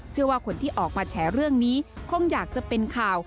เชื่อว่าคนที่ออกมาแฉเรื่องนี้คงอยากจะเป็นข่าว